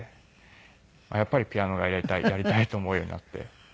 やっぱりピアノがやりたいやりたいと思うようになって。